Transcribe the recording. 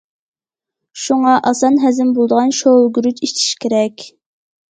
شۇڭا ئاسان ھەزىم بولىدىغان شوۋىگۈرۈچ ئىچىش كېرەك.